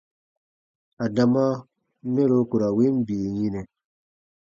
Adama mɛro ku ra win bii yinɛ.